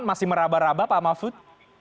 masih merabah rabah pak mahfud